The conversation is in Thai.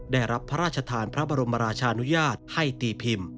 ได้รับพระราชทานพระบรมราชานุญาตให้ตีพิมพ์